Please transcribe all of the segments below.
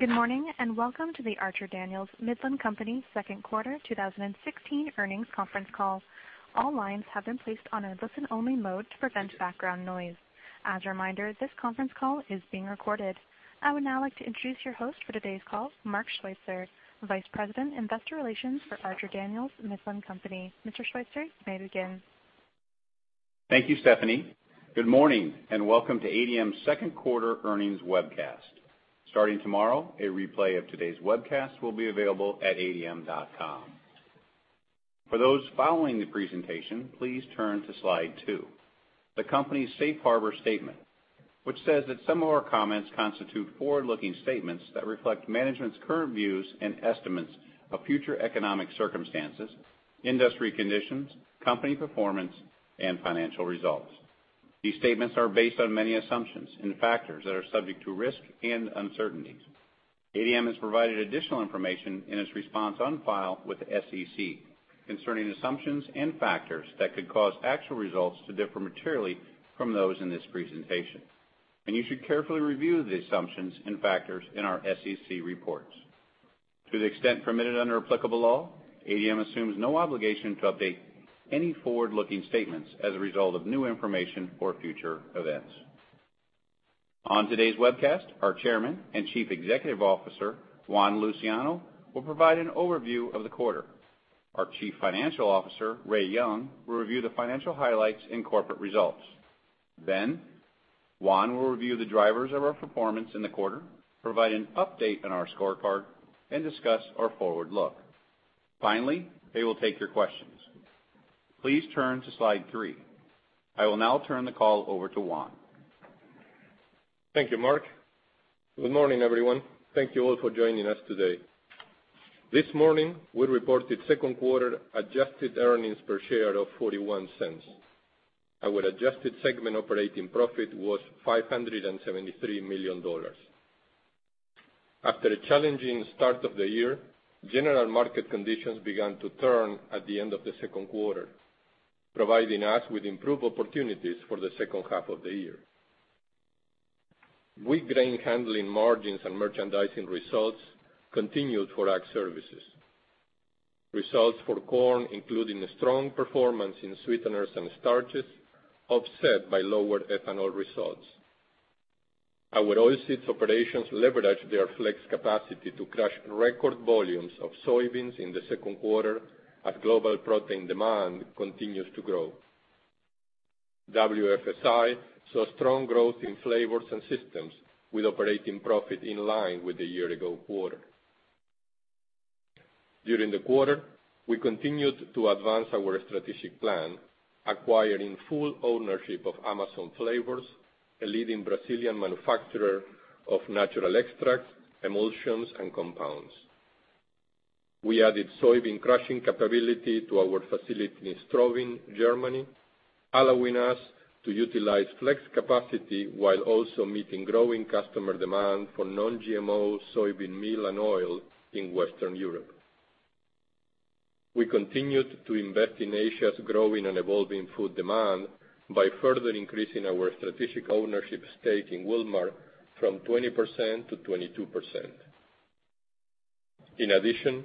Good morning, and welcome to the Archer Daniels Midland Company second quarter 2016 earnings conference call. All lines have been placed on a listen-only mode to prevent background noise. As a reminder, this conference call is being recorded. I would now like to introduce your host for today's call, Mark Schweitzer, Vice President, Investor Relations for Archer Daniels Midland Company. Mr. Schweitzer, you may begin. Thank you, Stephanie. Good morning, and welcome to ADM's second quarter earnings webcast. Starting tomorrow, a replay of today's webcast will be available at adm.com. For those following the presentation, please turn to Slide two, the company's safe harbor statement, which says that some of our comments constitute forward-looking statements that reflect management's current views and estimates of future economic circumstances, industry conditions, company performance, and financial results. These statements are based on many assumptions and factors that are subject to risk and uncertainties. ADM has provided additional information in its response on file with the SEC concerning assumptions and factors that could cause actual results to differ materially from those in this presentation. You should carefully review the assumptions and factors in our SEC reports. To the extent permitted under applicable law, ADM assumes no obligation to update any forward-looking statements as a result of new information or future events. On today's webcast, our Chairman and Chief Executive Officer, Juan Luciano, will provide an overview of the quarter. Our Chief Financial Officer, Ray Young, will review the financial highlights and corporate results. Juan will review the drivers of our performance in the quarter, provide an update on our scorecard, and discuss our forward look. Finally, they will take your questions. Please turn to Slide three. I will now turn the call over to Juan. Thank you, Mark. Good morning, everyone. Thank you all for joining us today. This morning, we reported second quarter adjusted earnings per share of $0.41. Our adjusted segment operating profit was $573 million. After a challenging start of the year, general market conditions began to turn at the end of the second quarter, providing us with improved opportunities for the second half of the year. Wheat grain handling margins and merchandising results continued for Ag Services. Results for corn including strong performance in sweeteners and starches, offset by lower ethanol results. Our oilseeds operations leveraged their flex capacity to crush record volumes of soybeans in the second quarter as global protein demand continues to grow. WFSI saw strong growth in flavors and systems with operating profit in line with the year-ago quarter. During the quarter, we continued to advance our strategic plan, acquiring full ownership of Amazon Flavors, a leading Brazilian manufacturer of natural extracts, emulsions, and compounds. We added soybean crushing capability to our facility in Straubing, Germany, allowing us to utilize flex capacity while also meeting growing customer demand for non-GMO soybean meal and oil in Western Europe. We continued to invest in Asia's growing and evolving food demand by further increasing our strategic ownership stake in Wilmar from 20% to 22%. In addition,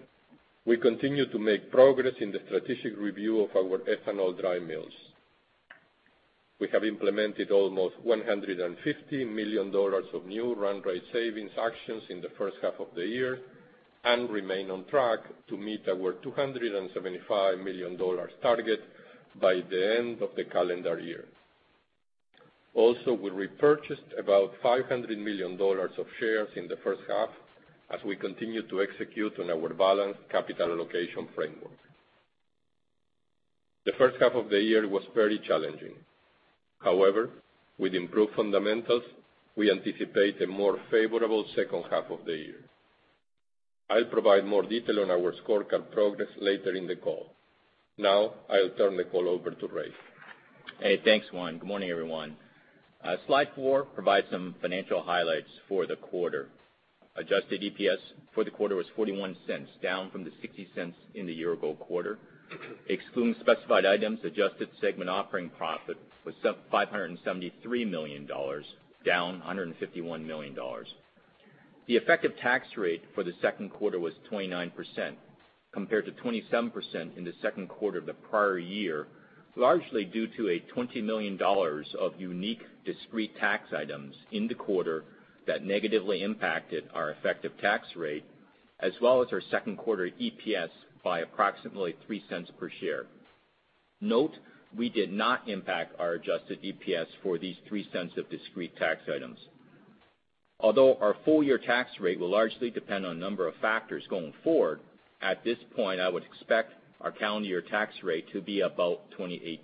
we continue to make progress in the strategic review of our ethanol dry mills. We have implemented almost $150 million of new run rate savings actions in the first half of the year and remain on track to meet our $275 million target by the end of the calendar year. We repurchased about $500 million of shares in the first half as we continue to execute on our balanced capital allocation framework. The first half of the year was very challenging. With improved fundamentals, we anticipate a more favorable second half of the year. I'll provide more detail on our scorecard progress later in the call. I'll turn the call over to Ray. Hey, thanks, Juan. Good morning, everyone. Slide four provides some financial highlights for the quarter. Adjusted EPS for the quarter was $0.41, down from the $0.60 in the year-ago quarter. Excluding specified items, adjusted segment operating profit was $573 million, down $151 million. The effective tax rate for the second quarter was 29%, compared to 27% in the second quarter of the prior year, largely due to a $20 million of unique discrete tax items in the quarter that negatively impacted our effective tax rate, as well as our second quarter EPS by approximately $0.03 per share. Note, we did not impact our adjusted EPS for these $0.03 of discrete tax items. Although our full-year tax rate will largely depend on a number of factors going forward, at this point, I would expect our calendar year tax rate to be about 28%.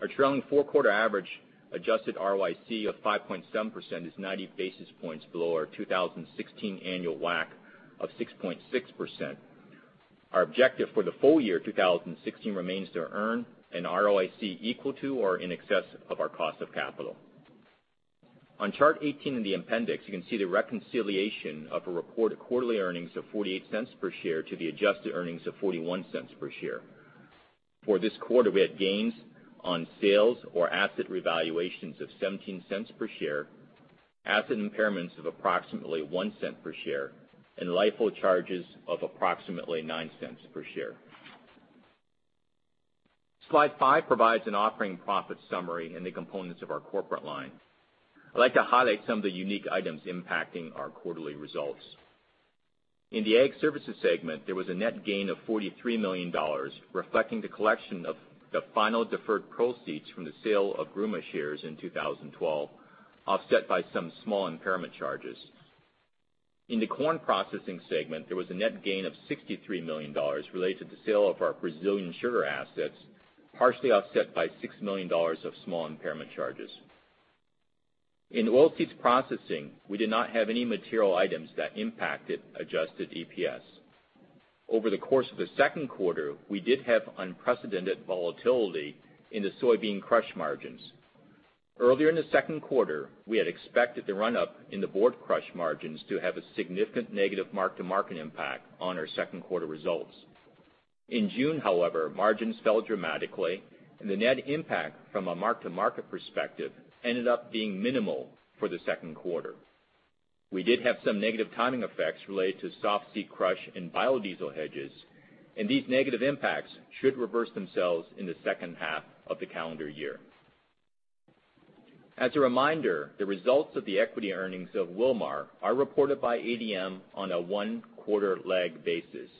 Our trailing four-quarter average adjusted ROIC of 5.7% is 90 basis points below our 2016 annual WACC of 6.6%. Our objective for the full year 2016 remains to earn an ROIC equal to or in excess of our cost of capital. On Chart 18 in the appendix, you can see the reconciliation of a reported quarterly earnings of $0.48 per share to the adjusted earnings of $0.41 per share. For this quarter, we had gains on sales or asset revaluations of $0.17 per share, asset impairments of approximately $0.01 per share, and LIFO charges of approximately $0.09 per share. Slide five provides an operating profit summary and the components of our corporate line. I'd like to highlight some of the unique items impacting our quarterly results. In the Ag Services segment, there was a net gain of $43 million, reflecting the collection of the final deferred proceeds from the sale of Gruma shares in 2012, offset by some small impairment charges. In the Corn Processing segment, there was a net gain of $63 million related to the sale of our Brazilian sugar assets, partially offset by $6 million of small impairment charges. In Oilseeds Processing, we did not have any material items that impacted adjusted EPS. Over the course of the second quarter, we did have unprecedented volatility in the soybean crush margins. Earlier in the second quarter, we had expected the run-up in the board crush margins to have a significant negative mark-to-market impact on our second quarter results. In June, however, margins fell dramatically, and the net impact from a mark-to-market perspective ended up being minimal for the second quarter. We did have some negative timing effects related to softseed crush and biodiesel hedges, these negative impacts should reverse themselves in the second half of the calendar year. As a reminder, the results of the equity earnings of Wilmar are reported by ADM on a one-quarter lag basis.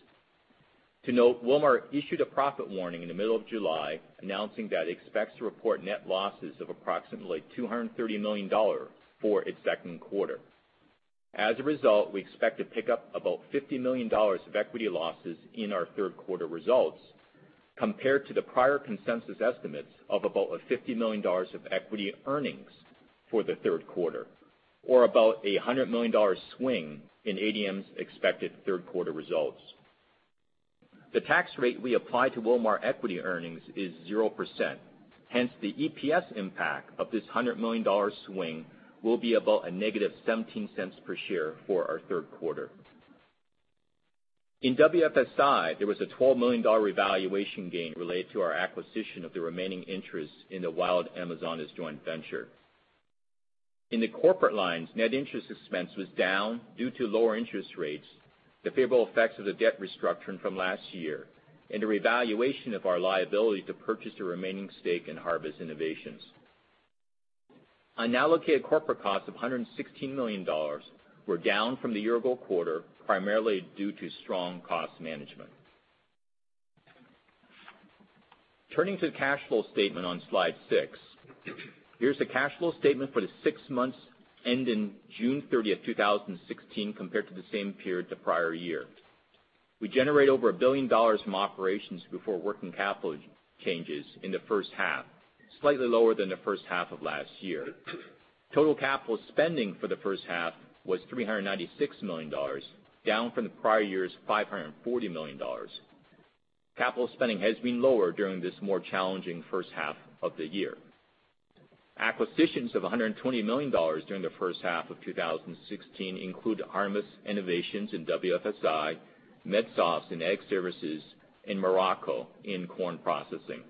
To note, Wilmar issued a profit warning in the middle of July announcing that it expects to report net losses of approximately $230 million for its second quarter. As a result, we expect to pick up about $50 million of equity losses in our third quarter results compared to the prior consensus estimates of about $50 million of equity earnings for the third quarter, or about $100 million swing in ADM's expected third quarter results. The tax rate we apply to Wilmar equity earnings is 0%. The EPS impact of this $100 million swing will be about a negative $0.17 per share for our third quarter. In WFSI, there was a $12 million revaluation gain related to our acquisition of the remaining interest in the Wild Amazonas joint venture. In the corporate lines, net interest expense was down due to lower interest rates, the favorable effects of the debt restructuring from last year, and the revaluation of our liability to purchase the remaining stake in Harvest Innovations. Unallocated corporate costs of $116 million were down from the year-ago quarter, primarily due to strong cost management. Turning to the cash flow statement on slide six. Here's the cash flow statement for the six months ending June 30th, 2016, compared to the same period the prior year. We generate over a billion dollars from operations before working capital changes in the first half, slightly lower than the first half of last year. Total capital spending for the first half was $396 million, down from the prior year's $540 million. Capital spending has been lower during this more challenging first half of the year. Acquisitions of $120 million during the first half of 2016 include Harvest Innovations in WFSI, Medsofts in Ag Services, and Morocco in Corn Processing.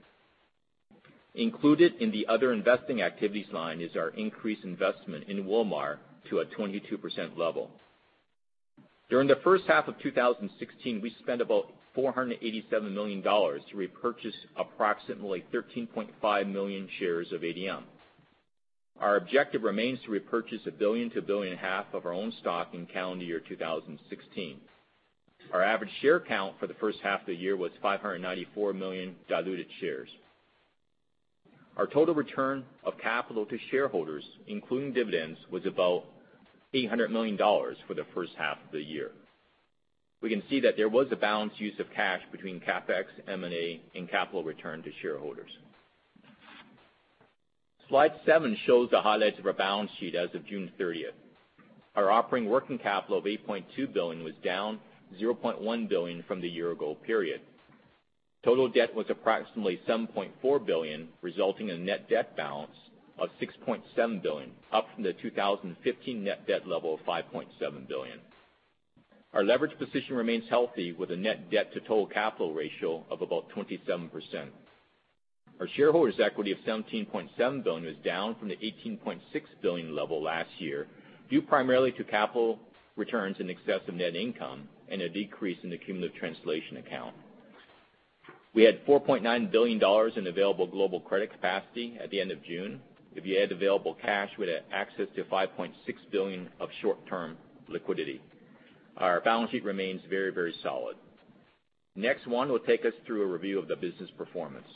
Included in the other investing activities line is our increased investment in Wilmar to a 22% level. During the first half of 2016, we spent about $487 million to repurchase approximately 13.5 million shares of ADM. Our objective remains to repurchase a billion to a billion and a half of our own stock in calendar year 2016. Our average share count for the first half of the year was 594 million diluted shares. Our total return of capital to shareholders, including dividends, was about $800 million for the first half of the year. We can see that there was a balanced use of cash between CapEx, M&A, and capital return to shareholders. Slide seven shows the highlights of our balance sheet as of June 30th. Our operating working capital of $8.2 billion was down $0.1 billion from the year-ago period. Total debt was approximately $7.4 billion, resulting in a net debt balance of $6.7 billion, up from the 2015 net debt level of $5.7 billion. Our leverage position remains healthy with a net debt to total capital ratio of about 27%. Our shareholders' equity of $17.7 billion is down from the $18.6 billion level last year, due primarily to capital returns in excess of net income and a decrease in the cumulative translation account. We had $4.9 billion in available global credit capacity at the end of June. If you add available cash, we had access to $5.6 billion of short-term liquidity. Our balance sheet remains very, very solid. Next, Juan will take us through a review of the business performance.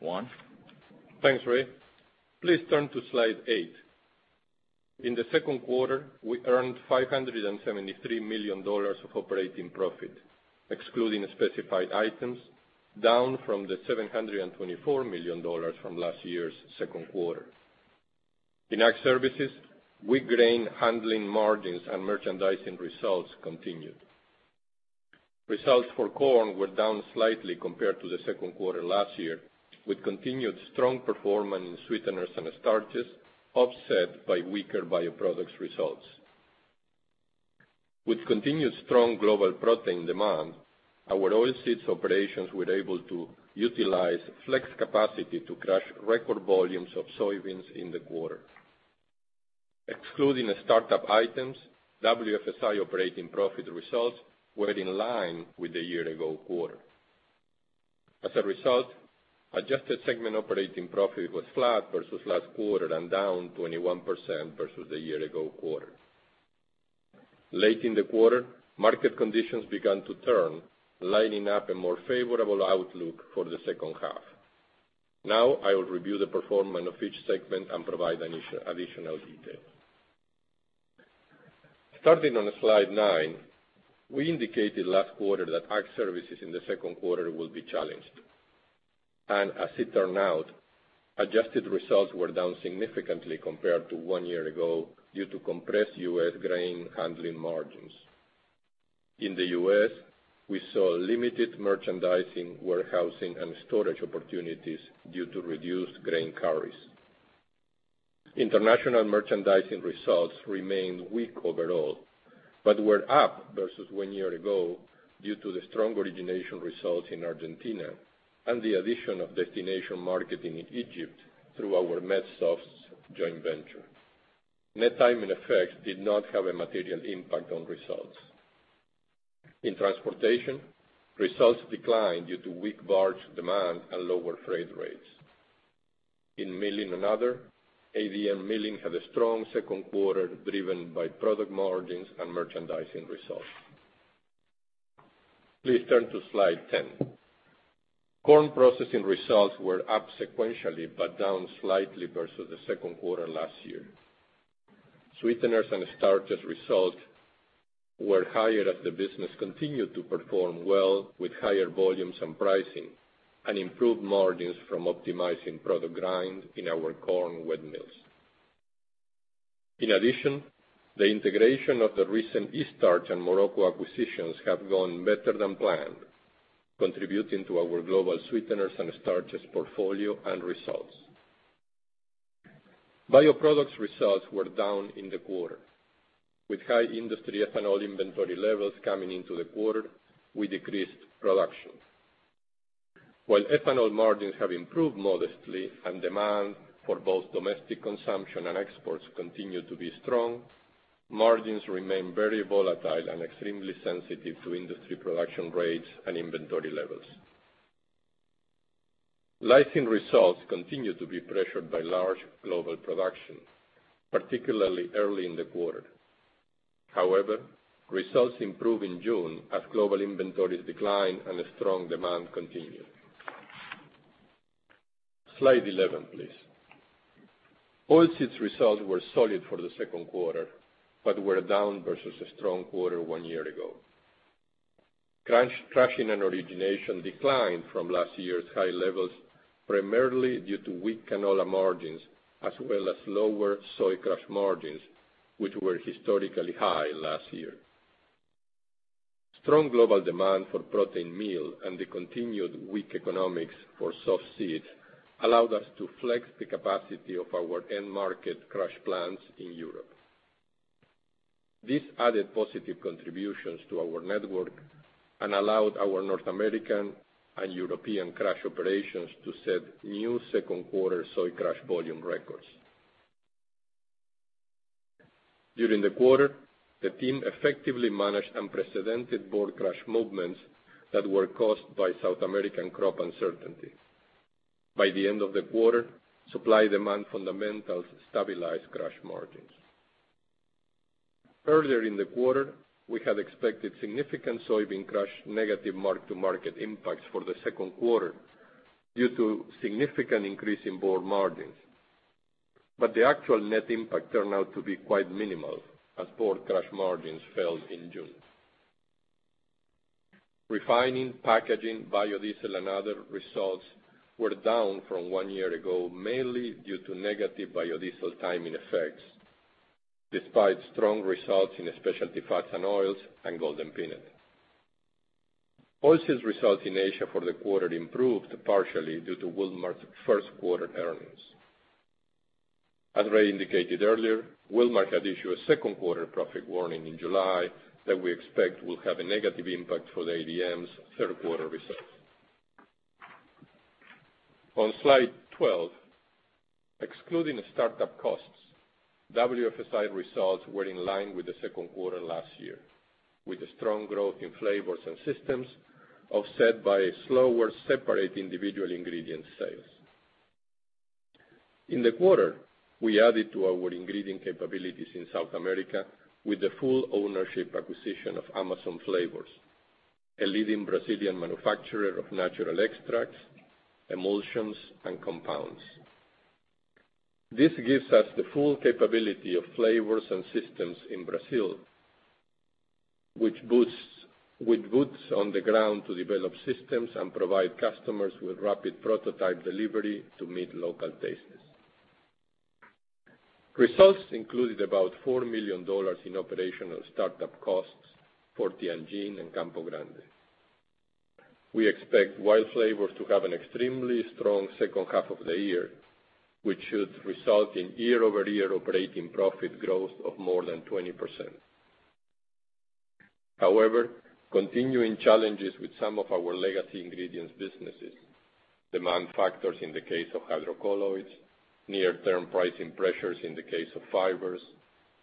Juan? Thanks, Ray. Please turn to slide eight. In the second quarter, we earned $573 million of operating profit, excluding specified items, down from the $724 million from last year's second quarter. In Ag Services, weak grain handling margins and merchandising results continued. Results for corn were down slightly compared to the second quarter last year, with continued strong performance in sweeteners and starches offset by weaker bioproducts results. With continued strong global protein demand, our oilseeds operations were able to utilize flex capacity to crush record volumes of soybeans in the quarter. Excluding the startup items, WFSI operating profit results were in line with the year ago quarter. As a result, adjusted segment operating profit was flat versus last quarter and down 21% versus the year ago quarter. Late in the quarter, market conditions began to turn, lining up a more favorable outlook for the second half. Now I will review the performance of each segment and provide additional detail. Starting on slide nine, we indicated last quarter that Ag Services in the second quarter will be challenged. As it turned out, adjusted results were down significantly compared to one year ago, due to compressed U.S. grain handling margins. In the U.S., we saw limited merchandising, warehousing, and storage opportunities due to reduced grain carries. International merchandising results remained weak overall, but were up versus one year ago due to the strong origination results in Argentina and the addition of destination marketing in Egypt through our Medsofts joint venture. Net timing effects did not have a material impact on results. In transportation, results declined due to weak barge demand and lower freight rates. In milling and other, ADM Milling had a strong second quarter, driven by product margins and merchandising results. Please turn to slide 10. Corn Processing results were up sequentially, down slightly versus the second quarter last year. Sweeteners and starches results were higher as the business continued to perform well with higher volumes and pricing, and improved margins from optimizing product grind in our Corn Wet Mills. In addition, the integration of the recent Eaststarch and Morocco acquisitions have gone better than planned, contributing to our global sweeteners and starches portfolio and results. Bioproducts results were down in the quarter. With high industry ethanol inventory levels coming into the quarter, we decreased production. While ethanol margins have improved modestly and demand for both domestic consumption and exports continue to be strong, margins remain very volatile and extremely sensitive to industry production rates and inventory levels. Lecithin results continue to be pressured by large global production, particularly early in the quarter. Results improved in June as global inventories declined and a strong demand continued. Slide 11, please. Oilseeds results were solid for the second quarter, were down versus a strong quarter one year ago. Crushing and origination declined from last year's high levels, primarily due to weak canola margins, as well as lower soy crush margins, which were historically high last year. Strong global demand for protein meal and the continued weak economics for softseed allowed us to flex the capacity of our end market crush plants in Europe. This added positive contributions to our network and allowed our North American and European crush operations to set new second quarter soy crush volume records. During the quarter, the team effectively managed unprecedented board crush movements that were caused by South American crop uncertainty. By the end of the quarter, supply-demand fundamentals stabilized crush margins. Earlier in the quarter, we had expected significant soybean crush negative mark-to-market impacts for the second quarter due to significant increase in board margins. The actual net impact turned out to be quite minimal as board crush margins fell in June. Refining, packaging, biodiesel, and other results were down from one year ago, mainly due to negative biodiesel timing effects, despite strong results in specialty fats and oils and Golden Peanut. Oilseeds results in Asia for the quarter improved partially due to Wilmar's first quarter earnings. As Ray indicated earlier, Wilmar had issued a second quarter profit warning in July that we expect will have a negative impact for ADM's third quarter results. On slide 12, excluding the startup costs, WFSI results were in line with the second quarter last year, with strong growth in flavors and systems offset by slower separate individual ingredient sales. In the quarter, we added to our ingredient capabilities in South America with the full ownership acquisition of Amazon Flavors, a leading Brazilian manufacturer of natural extracts, emulsions, and compounds. This gives us the full capability of flavors and systems in Brazil with boots on the ground to develop systems and provide customers with rapid prototype delivery to meet local tastes. Results included about $4 million in operational startup costs for Tianjin and Campo Grande. We expect WILD Flavors to have an extremely strong second half of the year, which should result in year-over-year operating profit growth of more than 20%. Continuing challenges with some of our legacy ingredients businesses, demand factors in the case of hydrocolloids, near-term pricing pressures in the case of fibers,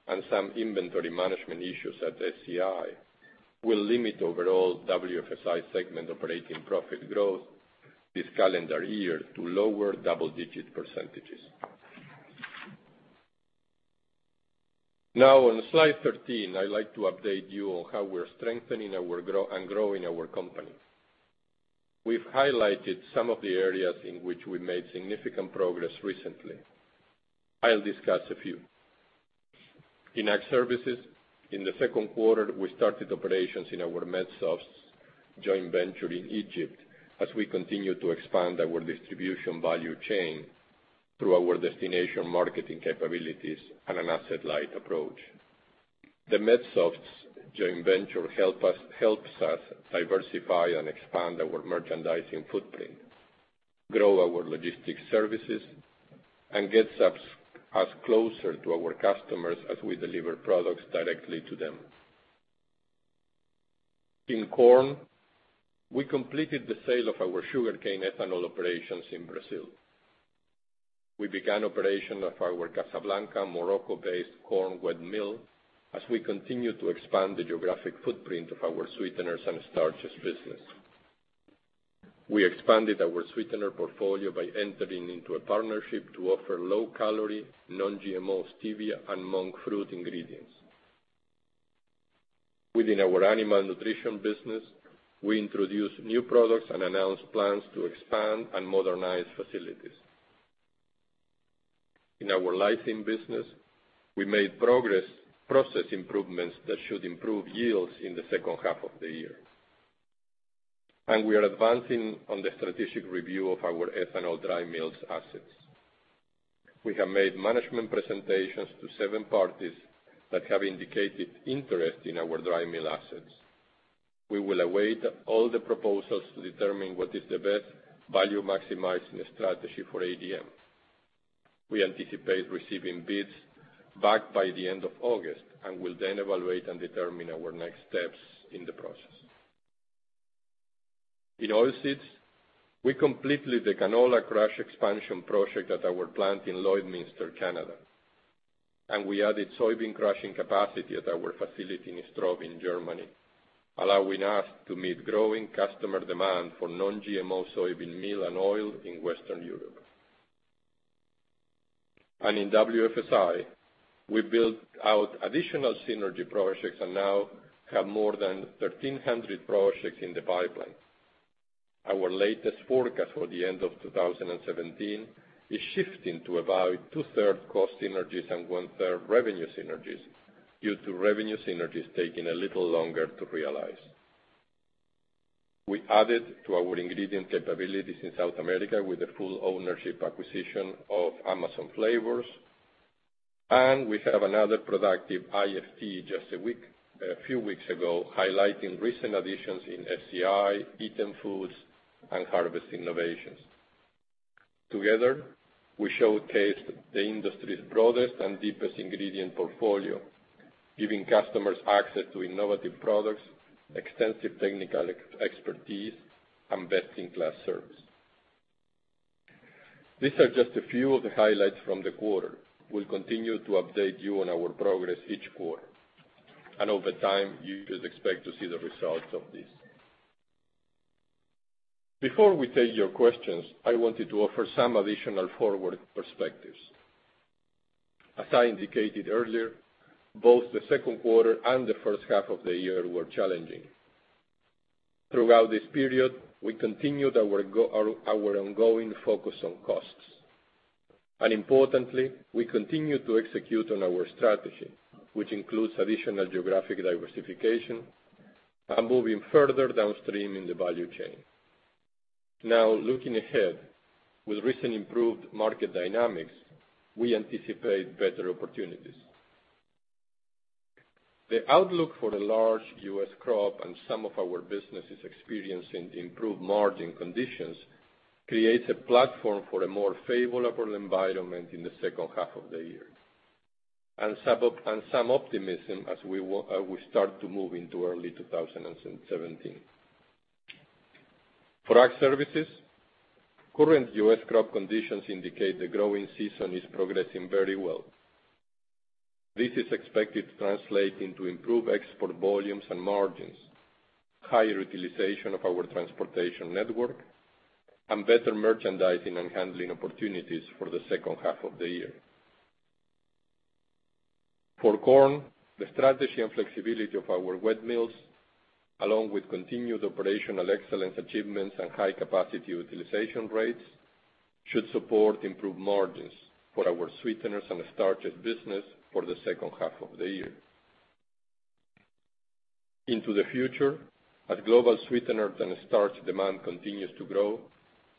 and some inventory management issues at FCI will limit overall WFSI segment operating profit growth this calendar year to lower double-digit percentages. On slide 13, I'd like to update you on how we're strengthening and growing our company. We've highlighted some of the areas in which we made significant progress recently. I'll discuss a few. In Ag Services, in the second quarter, we started operations in our Medsofts joint venture in Egypt as we continue to expand our distribution value chain through our destination marketing capabilities and an asset-light approach. The Medsofts joint venture helps us diversify and expand our merchandising footprint, grow our logistics services, and gets us closer to our customers as we deliver products directly to them. In corn, we completed the sale of our sugarcane ethanol operations in Brazil. We began operation of our Casablanca Morocco-based corn wet mill as we continue to expand the geographic footprint of our sweeteners and starches business. We expanded our sweetener portfolio by entering into a partnership to offer low-calorie, non-GMO stevia and monk fruit ingredients. Within our animal nutrition business, we introduced new products and announced plans to expand and modernize facilities. In our lysine business, we made process improvements that should improve yields in the second half of the year. We are advancing on the strategic review of our ethanol dry mills assets. We have made management presentations to seven parties that have indicated interest in our dry mill assets. We will await all the proposals to determine what is the best value-maximizing strategy for ADM. We anticipate receiving bids back by the end of August and will then evaluate and determine our next steps in the process. In oilseeds, we completed the canola crush expansion project at our plant in Lloydminster, Canada, and we added soybean crushing capacity at our facility in Straubing, Germany, allowing us to meet growing customer demand for non-GMO soybean meal and oil in Western Europe. In WFSI, we built out additional synergy projects and now have more than 1,300 projects in the pipeline. Our latest forecast for the end of 2017 is shifting to about two-third cost synergies and one-third revenue synergies due to revenue synergies taking a little longer to realize. We added to our ingredient capabilities in South America with the full ownership acquisition of Amazon Flavors. We have another productive IFT just a few weeks ago, highlighting recent additions in FCI, Eatem Foods, and Harvest Innovations. Together, we showcased the industry's broadest and deepest ingredient portfolio, giving customers access to innovative products, extensive technical expertise, and best-in-class service. These are just a few of the highlights from the quarter. We'll continue to update you on our progress each quarter. Over time, you should expect to see the results of this. Before we take your questions, I wanted to offer some additional forward perspectives. As I indicated earlier, both the second quarter and the first half of the year were challenging. Throughout this period, we continued our ongoing focus on costs. Importantly, we continued to execute on our strategy, which includes additional geographic diversification and moving further downstream in the value chain. Looking ahead, with recent improved market dynamics, we anticipate better opportunities. The outlook for a large U.S. crop and some of our businesses experiencing improved margin conditions creates a platform for a more favorable environment in the second half of the year, and some optimism as we start to move into early 2017. For Ag Services, current U.S. crop conditions indicate the growing season is progressing very well. This is expected to translate into improved export volumes and margins, higher utilization of our transportation network, and better merchandising and handling opportunities for the second half of the year. For corn, the strategy and flexibility of our wet mills, along with continued operational excellence achievements and high capacity utilization rates, should support improved margins for our sweeteners and starches business for the second half of the year. Into the future, as global sweetener and starch demand continues to grow,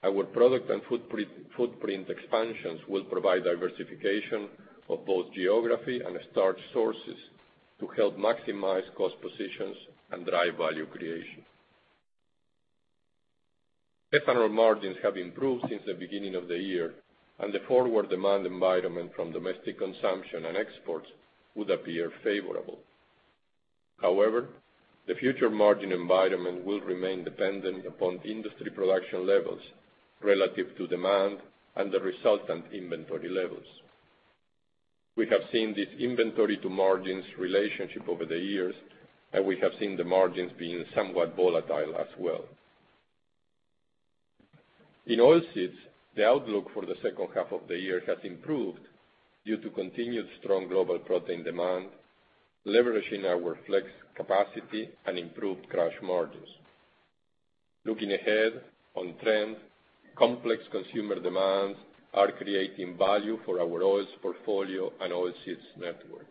our product and footprint expansions will provide diversification of both geography and starch sources to help maximize cost positions and drive value creation. ethanol margins have improved since the beginning of the year, and the forward demand environment from domestic consumption and exports would appear favorable. However, the future margin environment will remain dependent upon industry production levels relative to demand and the resultant inventory levels. We have seen this inventory to margins relationship over the years, and we have seen the margins being somewhat volatile as well. In oilseeds, the outlook for the second half of the year has improved due to continued strong global protein demand, leveraging our flex capacity and improved crush margins. Looking ahead on trend, complex consumer demands are creating value for our oils portfolio and oilseeds network.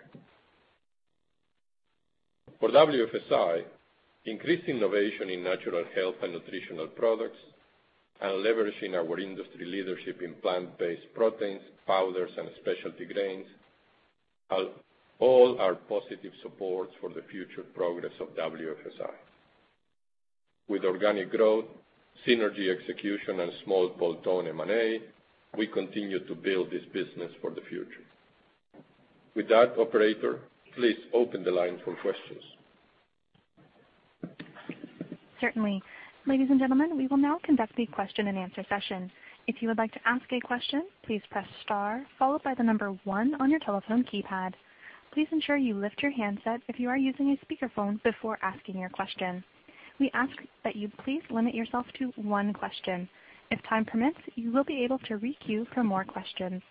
For WFSI, increased innovation in natural health and nutritional products, and leveraging our industry leadership in plant-based proteins, powders, and specialty grains, all are positive supports for the future progress of WFSI. With organic growth, synergy execution, and small bolt-on M&A, we continue to build this business for the future. With that, operator, please open the line for questions. Certainly. Ladies and gentlemen, we will now conduct the question and answer session. If you would like to ask a question, please press star followed by the number 1 on your telephone keypad. Please ensure you lift your handset if you are using a speakerphone before asking your question. We ask that you please limit yourself to one question. If time permits, you will be able to re-queue for more questions.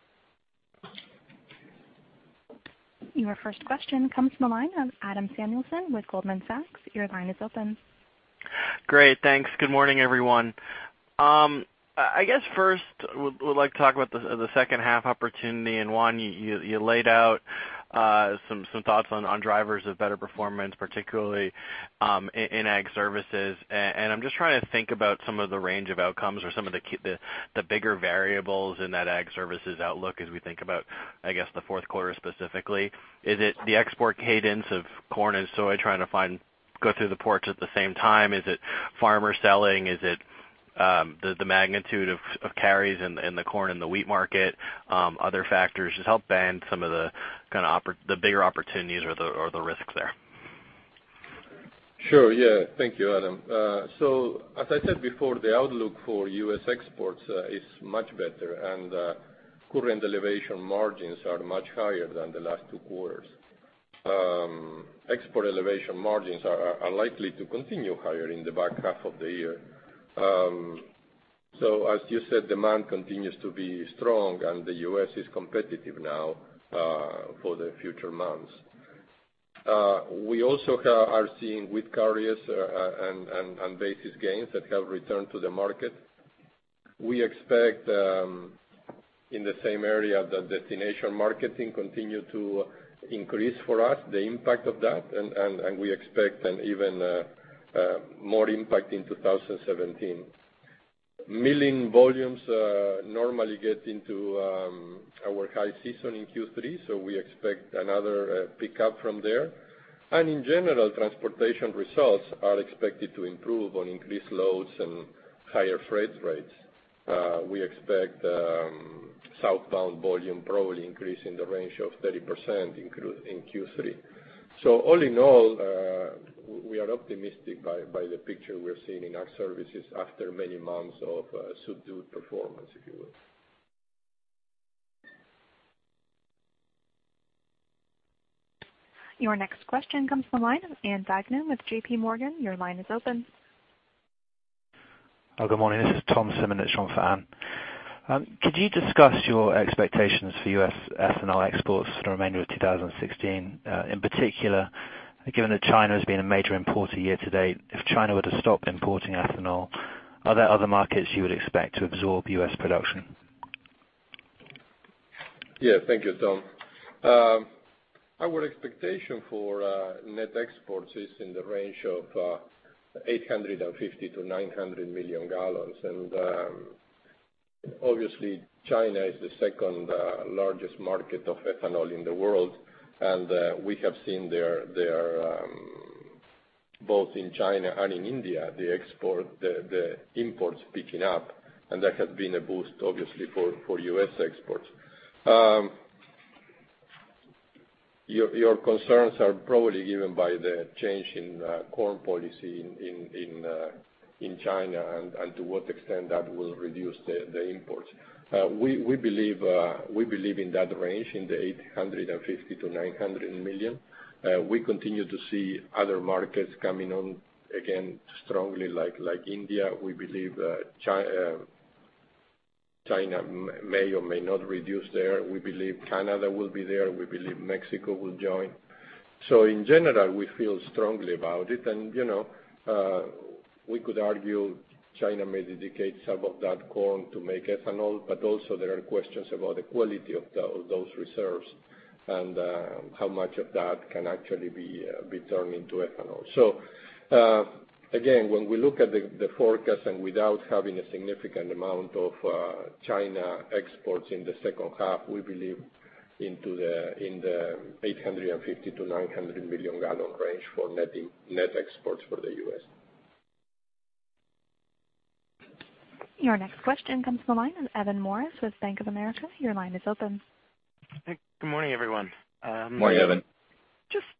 Your first question comes from the line of Adam Samuelson with Goldman Sachs. Your line is open. Great. Thanks. Good morning, everyone. I guess first, would like to talk about the second half opportunity. Juan, you laid out some thoughts on drivers of better performance, particularly in Ag Services. I'm just trying to think about some of the range of outcomes or some of the bigger variables in that Ag Services outlook as we think about, I guess, the fourth quarter specifically. Is it the export cadence of corn and soy trying to go through the ports at the same time? Is it farmer selling? Is it the magnitude of carries in the corn and the wheat market? Other factors, just help band some of the bigger opportunities or the risks there. Sure, yeah. Thank you, Adam Samuelson. As I said before, the outlook for U.S. exports is much better, current elevation margins are much higher than the last two quarters. Export elevation margins are likely to continue higher in the back half of the year. As you said, demand continues to be strong, the U.S. is competitive now for the future months. We also are seeing wheat carriers and basis gains that have returned to the market. We expect in the same area, the destination marketing continue to increase for us, the impact of that, we expect an even more impact in 2017. Milling volumes normally get into our high season in Q3, we expect another pickup from there. In general, transportation results are expected to improve on increased loads and higher freight rates. We expect southbound volume probably increase in the range of 30% in Q3. All in all, we are optimistic by the picture we are seeing in Ag Services after many months of subdued performance, if you will. Your next question comes from the line of Ann Duignan with JPMorgan. Your line is open. Oh, good morning. This is Tom Simonitsch, in for Ann. Could you discuss your expectations for U.S. ethanol exports for the remainder of 2016, in particular, given that China has been a major importer year to date, if China were to stop importing ethanol, are there other markets you would expect to absorb U.S. production? Yeah. Thank you, Tom. Our expectation for net exports is in the range of 850-900 million gallons. Obviously China is the second-largest market of ethanol in the world, and we have seen there, both in China and in India, the imports picking up, and that has been a boost, obviously, for U.S. exports. Your concerns are probably driven by the change in corn policy in China and to what extent that will reduce the imports. We believe in that range, in the 850-900 million. We continue to see other markets coming on again strongly like India. We believe that China may or may not reduce there. We believe Canada will be there. We believe Mexico will join. In general, we feel strongly about it and we could argue China may dedicate some of that corn to make ethanol, but also there are questions about the quality of those reserves and how much of that can actually be turned into ethanol. Again, when we look at the forecast and without having a significant amount of China exports in the second half, we believe in the 850-900 million gallon range for net exports for the U.S. Your next question comes from the line of Evan Morris with Bank of America. Your line is open. Good morning, everyone. Morning, Evan.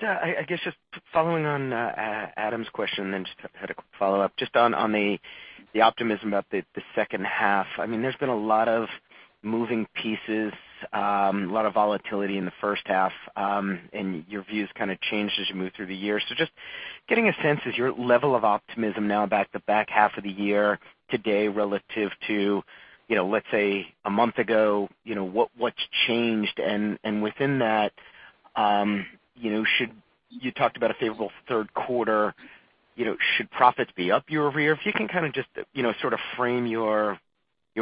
I guess just following on Adam's question, just had a follow-up just on the optimism about the second half. There's been a lot of moving pieces, a lot of volatility in the first half. Your views kind of changed as you move through the year. Just getting a sense, is your level of optimism now about the back half of the year today relative to, let's say, a month ago, what's changed? Within that, you talked about a favorable third quarter, should profits be up year-over-year? If you can kind of just sort of frame your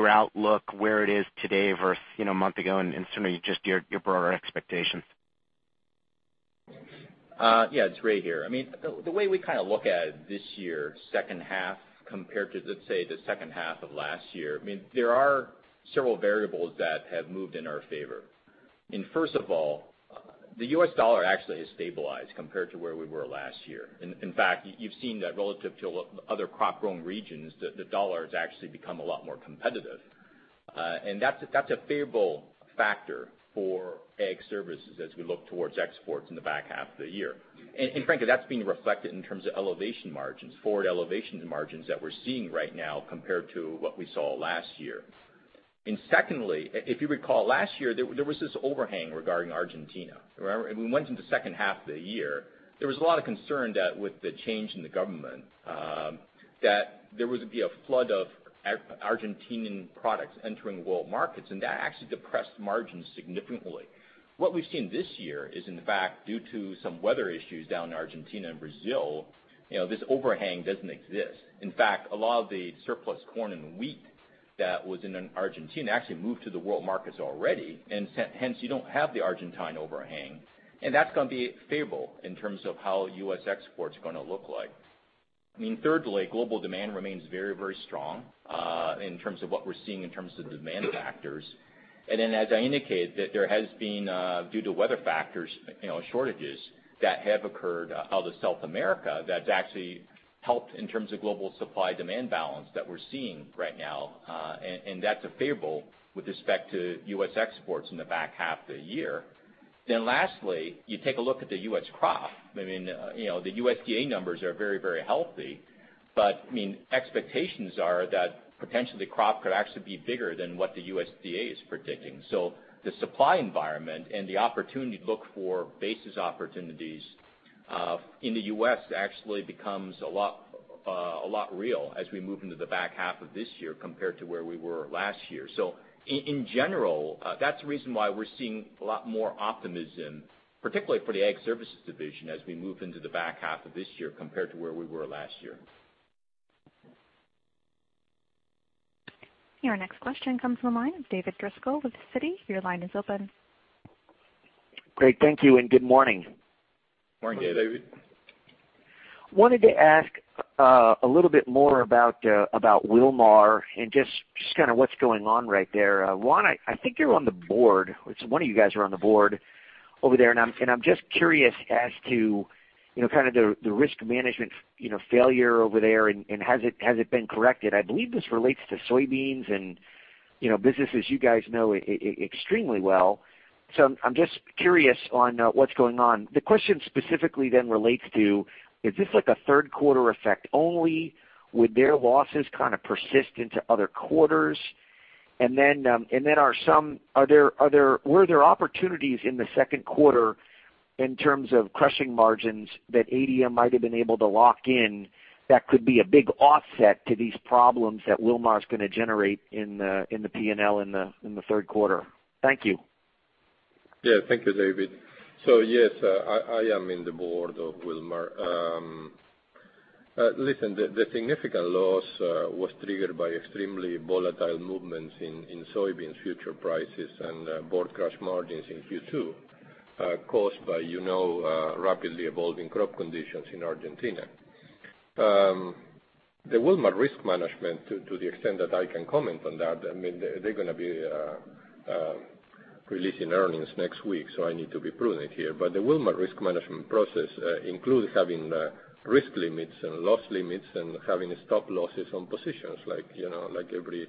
outlook where it is today versus a month ago and certainly just your broader expectations. Yeah, it's Ray here. The way we look at this year's second half compared to, let's say, the second half of last year, there are several variables that have moved in our favor. First of all, the U.S. dollar actually has stabilized compared to where we were last year. In fact, you've seen that relative to other crop-growing regions, the dollar has actually become a lot more competitive. That's a favorable factor for Ag Services as we look towards exports in the back half of the year. Frankly, that's being reflected in terms of elevation margins, forward elevation margins that we're seeing right now compared to what we saw last year. Secondly, if you recall, last year, there was this overhang regarding Argentina. Remember? We went into the second half of the year, there was a lot of concern that with the change in the government, that there was going to be a flood of Argentinian products entering world markets, and that actually depressed margins significantly. What we've seen this year is, in fact, due to some weather issues down in Argentina and Brazil, this overhang doesn't exist. In fact, a lot of the surplus corn and wheat that was in Argentina actually moved to the world markets already, and hence you don't have the Argentine overhang. That's going to be favorable in terms of how U.S. exports are going to look like. Thirdly, global demand remains very strong in terms of what we're seeing in terms of demand factors. As I indicated, that there has been, due to weather factors, shortages that have occurred out of South America that's actually helped in terms of global supply-demand balance that we're seeing right now. That's favorable with respect to U.S. exports in the back half of the year. Lastly, you take a look at the U.S. crop. The USDA numbers are very healthy, but expectations are that potentially the crop could actually be bigger than what the USDA is predicting. The supply environment and the opportunity to look for basis opportunities in the U.S. actually becomes a lot real as we move into the back half of this year compared to where we were last year. In general, that's the reason why we're seeing a lot more optimism, particularly for the Ag Services division, as we move into the back half of this year compared to where we were last year. Your next question comes from the line of David Driscoll with Citi. Your line is open. Great, thank you, Good morning. Morning, David. Just kind of what's going on right there. One, I think you're on the board, one of you guys are on the board over there, I'm just curious as to kind of the risk management failure over there, has it been corrected? I believe this relates to soybeans and businesses you guys know extremely well. I'm just curious on what's going on. The question specifically relates to, is this like a third quarter effect only? Would their losses kind of persist into other quarters? Were there opportunities in the second quarter in terms of crushing margins that ADM might have been able to lock in that could be a big offset to these problems that Wilmar's going to generate in the P&L in the third quarter? Thank you. Yeah. Thank you, David. Yes, I am in the board of Wilmar. Listen, the significant loss was triggered by extremely volatile movements in soybeans future prices and board crush margins in Q2 caused by rapidly evolving crop conditions in Argentina. The Wilmar risk management, to the extent that I can comment on that, they're going to be releasing earnings next week, so I need to be prudent here. The Wilmar risk management process includes having risk limits and loss limits and having stop losses on positions like every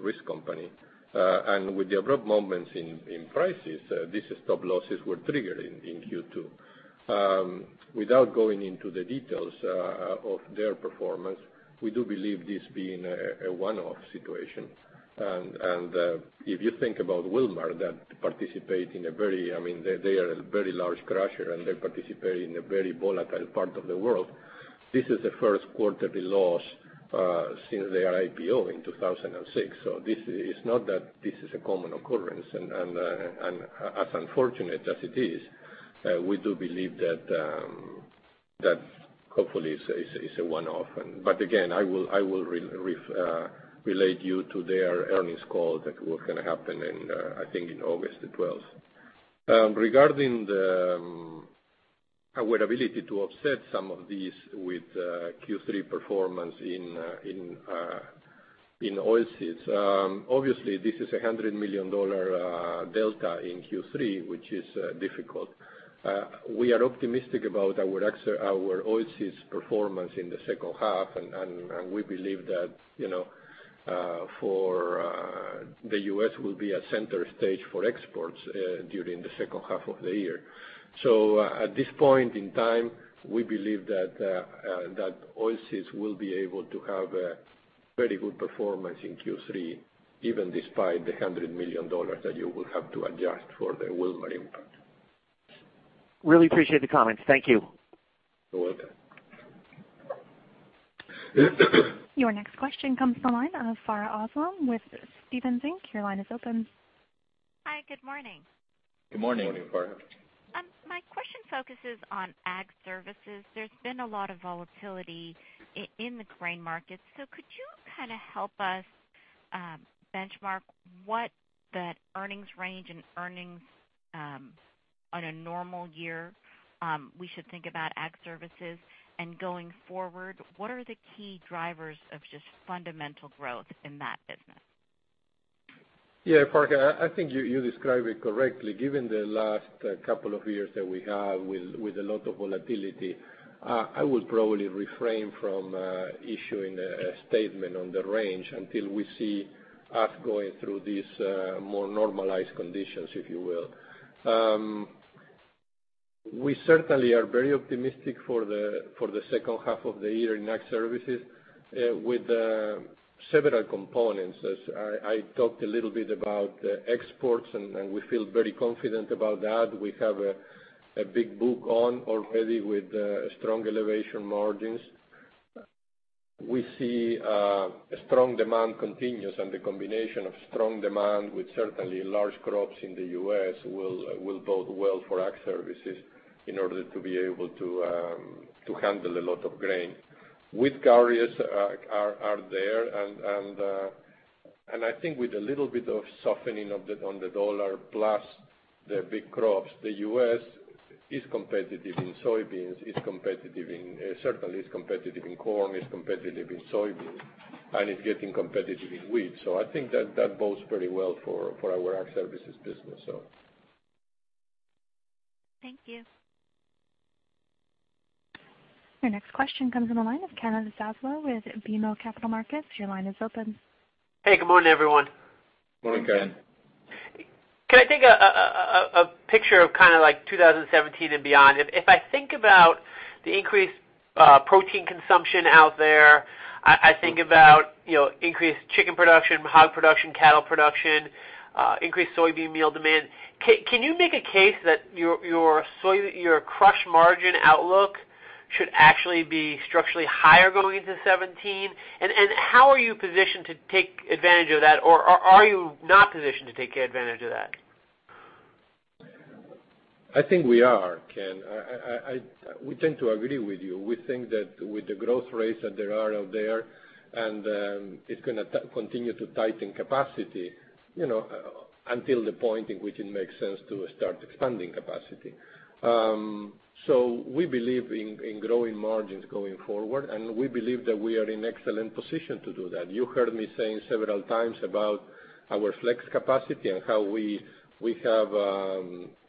risk company. With the abrupt movements in prices, these stop losses were triggered in Q2. Without going into the details of their performance, we do believe this being a one-off situation. If you think about Wilmar, they are a very large crusher, and they participate in a very volatile part of the world. This is the first quarterly loss since their IPO in 2006. It's not that this is a common occurrence. As unfortunate as it is, we do believe that hopefully it's a one-off. Again, I will relate you to their earnings call that we're going to happen in, I think in August 12th. Regarding our ability to offset some of these with Q3 performance in oilseeds. Obviously, this is a $100 million delta in Q3, which is difficult. We are optimistic about our oilseeds performance in the second half, and we believe that the U.S. will be a center stage for exports during the second half of the year. At this point in time, we believe that oilseeds will be able to have a very good performance in Q3, even despite the $100 million that you will have to adjust for the Wilmar impact. Really appreciate the comments. Thank you. You're welcome. Your next question comes from the line of Farha Aslam with Stephens Inc. Your line is open. Hi, good morning. Good morning, Farha. My question focuses on Ag Services. Could you kind of help us benchmark what the earnings range and earnings on a normal year we should think about Ag Services? Going forward, what are the key drivers of just fundamental growth in that business? Yeah, Farha, I think you described it correctly. Given the last couple of years that we have with a lot of volatility, I would probably refrain from issuing a statement on the range until we see us going through these more normalized conditions, if you will. We certainly are very optimistic for the second half of the year in Ag Services with several components. I talked a little bit about exports, and we feel very confident about that. We have a big book on already with strong elevation margins. We see a strong demand continues, the combination of strong demand with certainly large crops in the U.S. will bode well for Ag Services in order to be able to handle a lot of grain. Wheat carriers are there, and I think with a little bit of softening on the dollar, plus the big crops, the U.S. is competitive in soybeans, certainly is competitive in corn, is competitive in soybeans, and it's getting competitive in wheat. I think that bodes pretty well for our Ag Services business. Thank you. Your next question comes on the line of Ken Zaslow with BMO Capital Markets. Your line is open. Hey, good morning, everyone. Morning, Ken. Can I take a picture of kind of like 2017 and beyond? If I think about the increased protein consumption out there, I think about increased chicken production, hog production, cattle production, increased soybean meal demand. Can you make a case that your crush margin outlook should actually be structurally higher going into 2017? How are you positioned to take advantage of that, or are you not positioned to take advantage of that? I think we are, Ken. We tend to agree with you. We think that with the growth rates that there are out there, and it's going to continue to tighten capacity, until the point in which it makes sense to start expanding capacity. We believe in growing margins going forward, and we believe that we are in excellent position to do that. You heard me saying several times about our flex capacity and how we have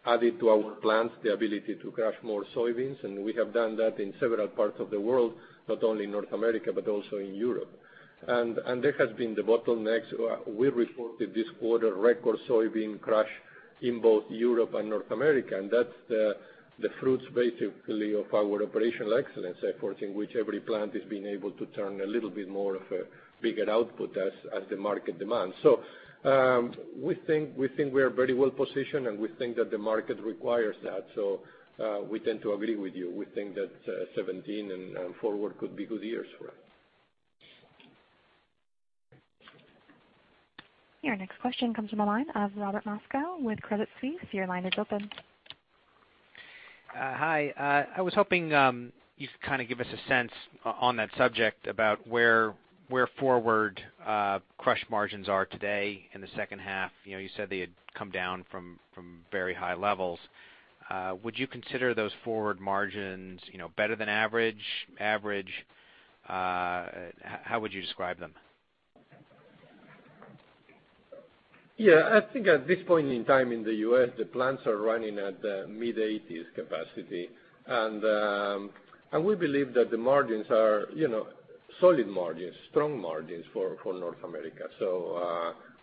added to our plants the ability to crush more soybeans, and we have done that in several parts of the world, not only North America, but also in Europe. There has been the bottlenecks. We reported this quarter record soybean crush in both Europe and North America, and that's the fruits basically of our operational excellence efforts, in which every plant is being able to turn a little bit more of a bigger output as the market demands. We think we are very well positioned, and we think that the market requires that. We tend to agree with you. We think that 2017 and forward could be good years for us. Your next question comes from the line of Robert Moskow with Credit Suisse. Your line is open. Hi, I was hoping you could kind of give us a sense on that subject about where forward crush margins are today in the second half. You said they had come down from very high levels. Would you consider those forward margins better than average? How would you describe them? Yeah, I think at this point in time in the U.S., the plants are running at mid-80s capacity. We believe that the margins are solid margins, strong margins for North America.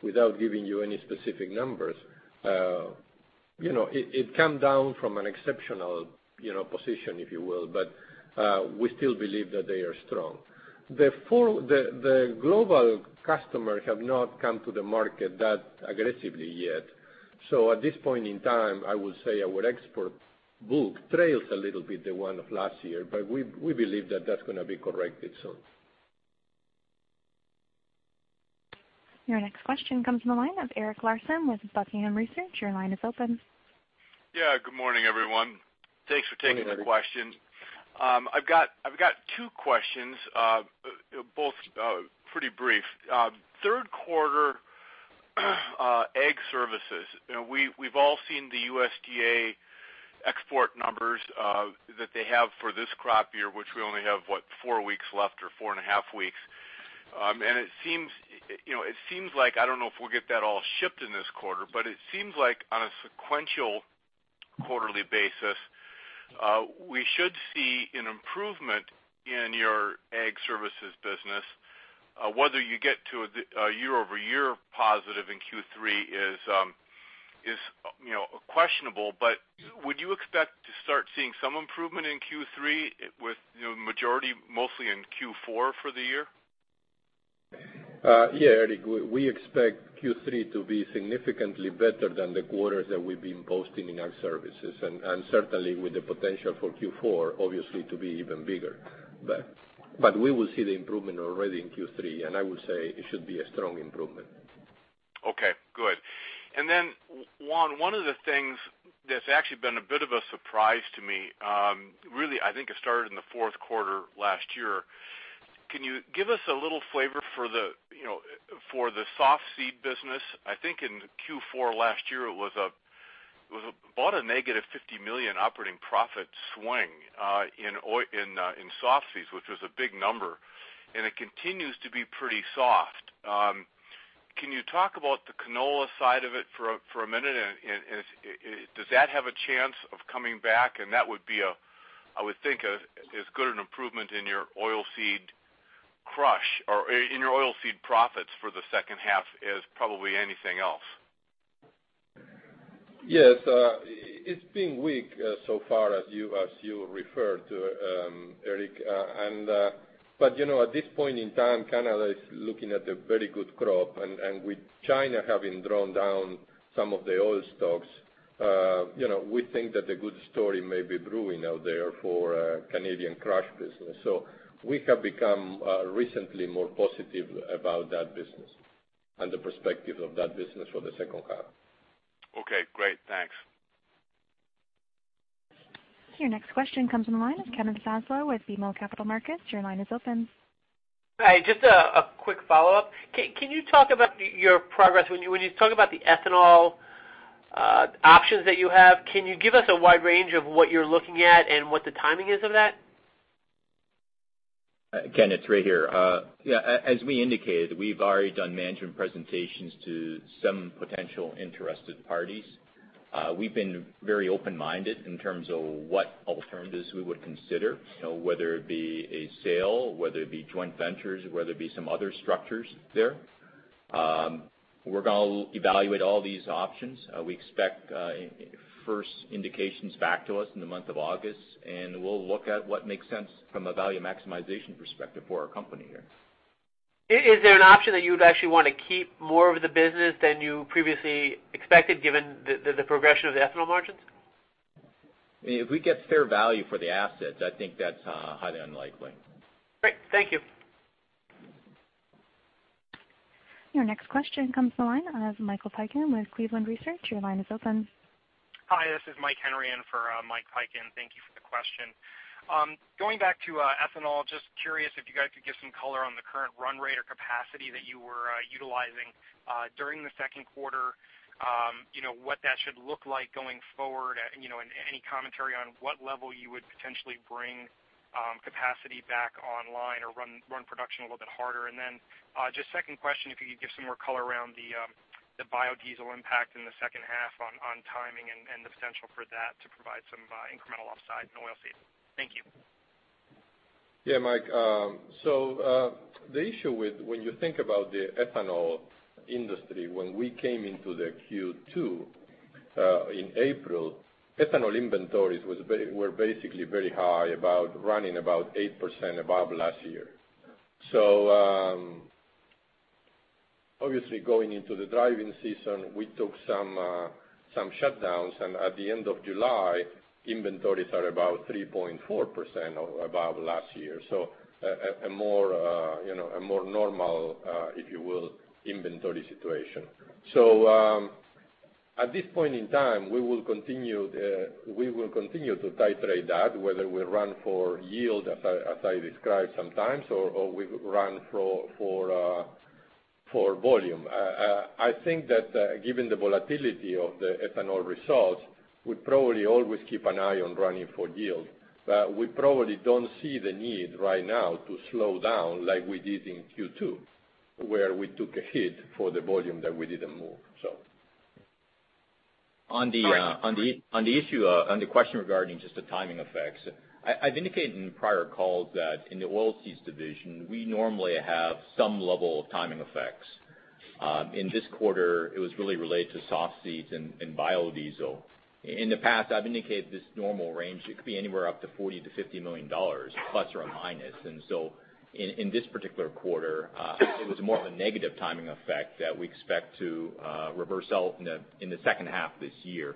Without giving you any specific numbers, it come down from an exceptional position, if you will, We still believe that they are strong. The global customer have not come to the market that aggressively yet. At this point in time, I would say our export book trails a little bit the one of last year, We believe that that's going to be corrected soon. Your next question comes from the line of Eric Larson with Buckingham Research. Your line is open. Good morning, everyone. Thanks for taking the question. I've got two questions, both pretty brief. Third quarter Ag Services. We've all seen the USDA export numbers that they have for this crop year, which we only have, what, four weeks left or four and a half weeks. It seems like, I don't know if we'll get that all shipped in this quarter, but it seems like on a sequential quarterly basis, we should see an improvement in your Ag Services business. Whether you get to a year-over-year positive in Q3 is questionable, would you expect to start seeing some improvement in Q3 with majority mostly in Q4 for the year? Eric, we expect Q3 to be significantly better than the quarters that we've been posting in Ag Services, certainly with the potential for Q4, obviously to be even bigger. We will see the improvement already in Q3, and I would say it should be a strong improvement. Okay, good. Juan, one of the things that's actually been a bit of a surprise to me, really, I think it started in the fourth quarter last year. Can you give us a little flavor for the softseed business? I think in Q4 last year, it was about a negative $50 million operating profit swing in softseeds, which was a big number, and it continues to be pretty soft. Can you talk about the canola side of it for a minute? Does that have a chance of coming back? That would be, I would think, as good an improvement in your oilseed profits for the second half as probably anything else. Yes. It's been weak so far as you referred to, Eric. At this point in time, Canada is looking at a very good crop, with China having drawn down some of the oil stocks, we think that a good story may be brewing out there for Canadian crush business. We have become recently more positive about that business and the perspective of that business for the second half. Okay, great. Thanks. Your next question comes on the line of Ken Zaslow with BMO Capital Markets. Your line is open. Hi, just a quick follow-up. Can you talk about your progress? When you talk about the ethanol options that you have, can you give us a wide range of what you're looking at and what the timing is of that? Ken, it's Ray here. As we indicated, we've already done management presentations to some potential interested parties. We've been very open-minded in terms of what alternatives we would consider, whether it be a sale, whether it be joint ventures, or whether it be some other structures there. We're going to evaluate all these options. We expect first indications back to us in the month of August, and we'll look at what makes sense from a value maximization perspective for our company here. Is there an option that you would actually want to keep more of the business than you previously expected given the progression of the ethanol margins? If we get fair value for the assets, I think that's highly unlikely. Great. Thank you. Your next question comes to the line of Michael Piken with Cleveland Research. Your line is open. Hi, this is Mike Henry in for Mike Piken. Thank you for the question. Going back to ethanol, curious if you guys could give some color on the current run rate or capacity that you were utilizing during the Q2. What that should look like going forward, any commentary on what level you would potentially bring capacity back online or run production a little bit harder. Second question, if you could give some more color around the biodiesel impact in the second half on timing and the potential for that to provide some incremental upside in oilseed. Thank you. Yeah, Mike. The issue with when you think about the ethanol industry, when we came into the Q2 in April, ethanol inventories were basically very high, running about 8% above last year. Obviously going into the driving season, we took some shutdowns, and at the end of July, inventories are about 3.4% above last year. A more normal, if you will, inventory situation. At this point in time, we will continue to titrate that, whether we run for yield as I described sometimes, or we run for volume. I think that given the volatility of the ethanol results, we probably always keep an eye on running for yield. We probably don't see the need right now to slow down like we did in Q2, where we took a hit for the volume that we didn't move. On the issue, on the question regarding the timing effects, I've indicated in prior calls that in the Oilseeds division, we normally have some level of timing effects. In this quarter, it was really related to softseeds and biodiesel. In the past, I've indicated this normal range, it could be anywhere up to $40 million-$50 million ±. In this particular quarter, it was more of a negative timing effect that we expect to reverse out in the second half this year.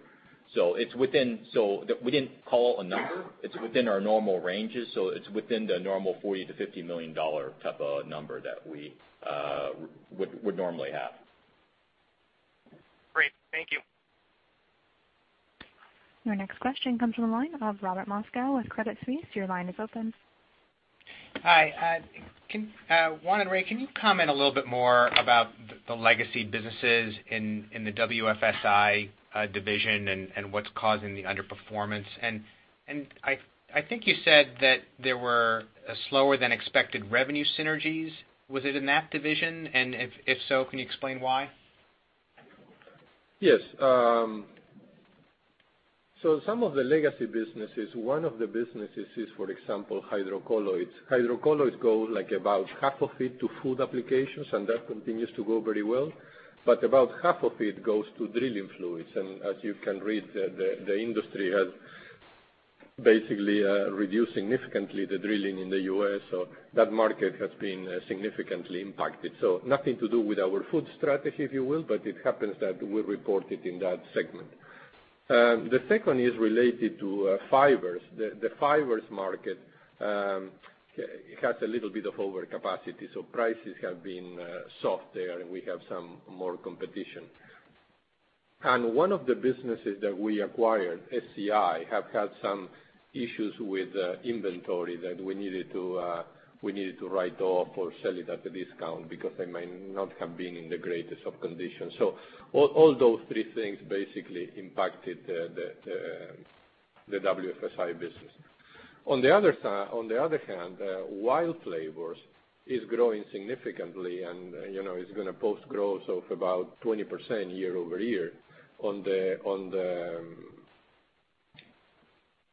We didn't call a number. It's within our normal ranges, it's within the normal $40 million-$50 million type of number that we would normally have. Great. Thank you. Your next question comes from the line of Robert Moskow with Credit Suisse. Your line is open. Hi. Juan and Ray, can you comment a little bit more about the legacy businesses in the WFSI division and what's causing the underperformance? I think you said that there were slower than expected revenue synergies. Was it in that division? If so, can you explain why? Yes. Some of the legacy businesses, one of the businesses is, for example, hydrocolloids. Hydrocolloids go like about half of it to food applications, and that continues to go very well. About half of it goes to drilling fluids. As you can read, the industry has basically reduced significantly the drilling in the U.S. That market has been significantly impacted. Nothing to do with our food strategy, if you will, but it happens that we report it in that segment. The second is related to fibers. The fibers market has a little bit of overcapacity, so prices have been soft there, and we have some more competition. One of the businesses that we acquired, FCI, have had some issues with inventory that we needed to write off or sell it at a discount because they might not have been in the greatest of conditions. All those three things basically impacted the WFSI business. On the other hand, WILD Flavors is growing significantly and is going to post growth of about 20% year-over-year,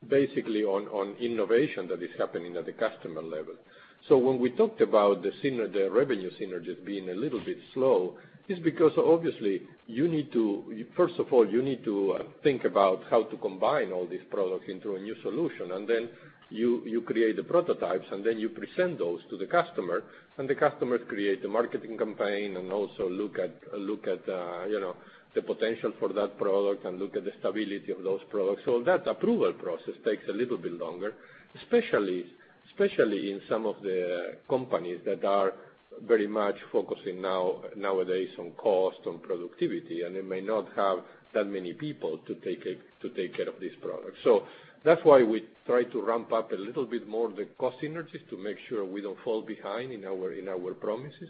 basically on innovation that is happening at the customer level. When we talked about the revenue synergies being a little bit slow, it's because obviously, first of all, you need to think about how to combine all these products into a new solution, then you create the prototypes, then you present those to the customer, the customers create the marketing campaign also look at the potential for that product look at the stability of those products. That approval process takes a little bit longer, especially in some of the companies that are very much focusing nowadays on cost, on productivity, and they may not have that many people to take care of this product. That's why we try to ramp up a little bit more the cost synergies to make sure we don't fall behind in our promises.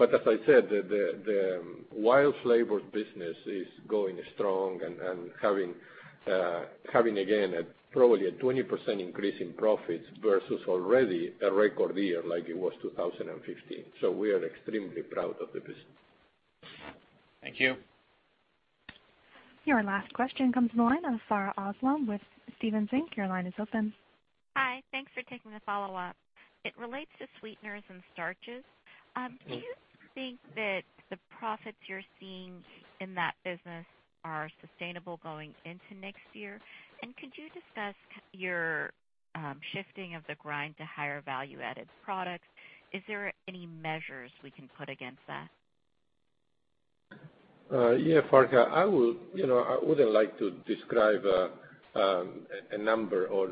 As I said, the WILD Flavors business is going strong and having, again, probably a 20% increase in profits versus already a record year like it was 2015. We are extremely proud of the business. Thank you. Your last question comes from the line of Farha Aslam with Stephens Inc. Your line is open. Hi. Thanks for taking the follow-up. It relates to sweeteners and starches. Do you think that the profits you're seeing in that business are sustainable going into next year? Could you discuss your shifting of the grind to higher value-added products? Is there any measures we can put against that? Yeah, Farha. I wouldn't like to describe a number or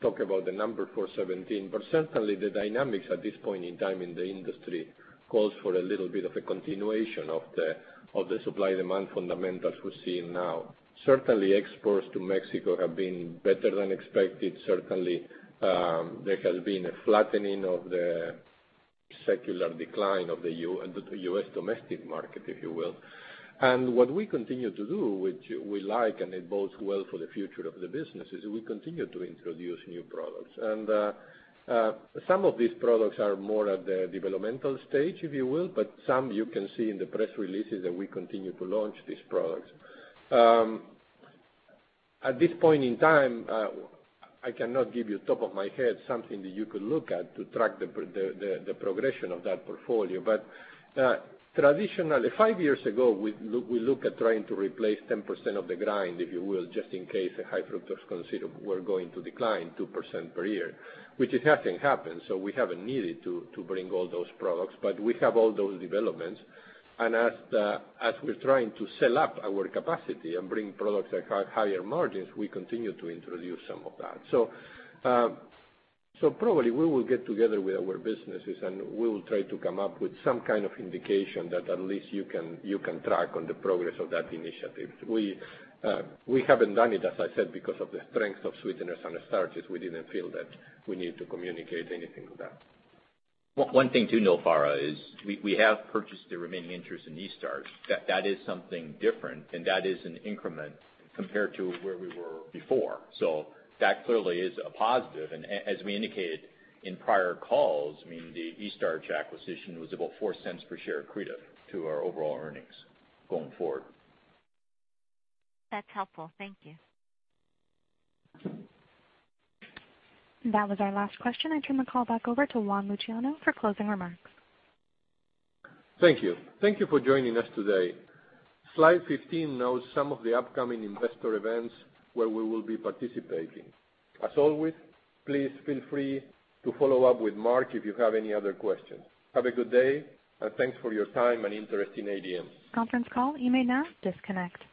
talk about the number for 2017, but certainly the dynamics at this point in time in the industry calls for a little bit of a continuation of the supply-demand fundamentals we're seeing now. Certainly, exports to Mexico have been better than expected. Certainly, there has been a flattening of the secular decline of the U.S. domestic market, if you will. What we continue to do, which we like and it bodes well for the future of the business, is we continue to introduce new products. Some of these products are more at the developmental stage, if you will, but some you can see in the press releases that we continue to launch these products. At this point in time, I cannot give you top of my head something that you could look at to track the progression of that portfolio. Traditionally, five years ago, we look at trying to replace 10% of the grind, if you will, just in case the high fructose corn syrup were going to decline 2% per year, which it hasn't happened, so we haven't needed to bring all those products. We have all those developments, and as we're trying to sell up our capacity and bring products that have higher margins, we continue to introduce some of that. Probably we will get together with our businesses, and we will try to come up with some kind of indication that at least you can track on the progress of that initiative. We haven't done it, as I said, because of the strength of sweeteners and starches. We didn't feel that we need to communicate anything with that. One thing to know, Farha, is we have purchased the remaining interest in Eaststarch. That is something different, and that is an increment compared to where we were before. That clearly is a positive. As we indicated in prior calls, the Eaststarch acquisition was about $0.04 per share accretive to our overall earnings going forward. That's helpful. Thank you. That was our last question. I turn the call back over to Juan Luciano for closing remarks. Thank you. Thank you for joining us today. Slide 15 notes some of the upcoming investor events where we will be participating. As always, please feel free to follow up with Mark if you have any other questions. Have a good day, and thanks for your time and interest in ADM. Conference call, you may now disconnect.